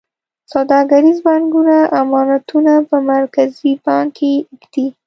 سوداګریز بانکونه امانتونه په مرکزي بانک کې ږدي.